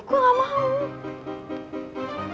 gue gak mau